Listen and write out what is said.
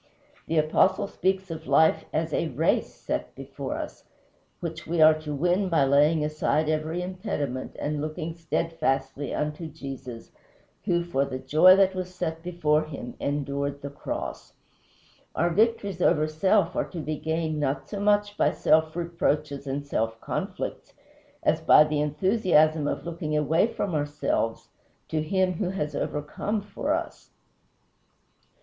The Apostle speaks of life as a race set before us, which we are to win by laying aside every impediment and looking steadfastly unto Jesus, who, "for the joy that was set before him, endured the cross." Our victories over self are to be gained not so much by self reproaches and self conflicts as by the enthusiasm of looking away from ourselves to Him who has overcome for us.